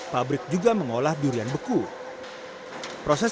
pembangunan durian ekspor